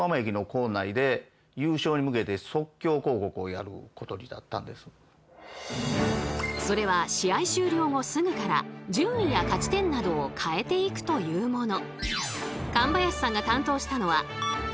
あとそのそれは試合終了後すぐから順位や勝ち点などを変えていくというもの。